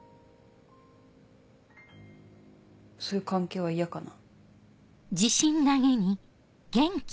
そういう関係は嫌かな？